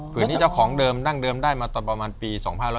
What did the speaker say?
นี้เจ้าของเดิมนั่งเดิมได้มาตอนประมาณปี๒๕๕๙